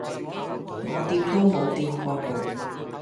我掂都冇掂過佢